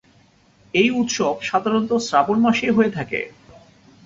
এই উৎসব সাধারণত শ্রাবণ মাসেই হয়ে থাকে।